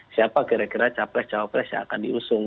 siapa kira kira cawapres cawapres yang akan diusung